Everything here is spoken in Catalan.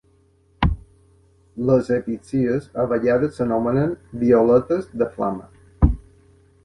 Les episcies a vegades s'anomenen "Violetes de flama".